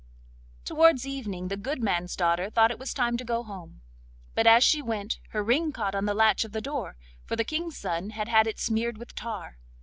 Towards evening the good man's daughter thought it was time to go home; but as she went, her ring caught on the latch of the door, for the King's son had had it smeared with tar.